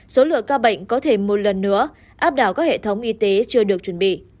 số lượng ca bệnh có thể một lần nữa áp đảo các hệ thống y tế chưa được chuẩn bị